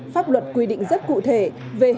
pháp luật quy định rất cụ thể